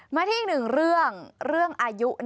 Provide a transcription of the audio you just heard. มาที่อีกหนึ่งเรื่องอายุ